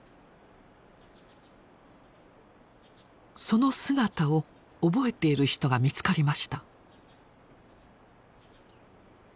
その姿を覚えている人が見つかりました。